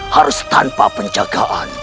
harus tanpa penjagaan